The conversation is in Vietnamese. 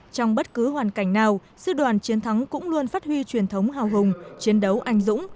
trong bất cứ hoàn cảnh nào sư đoàn chiến thắng cũng luôn phát huy truyền thống hào hùng chiến đấu anh dũng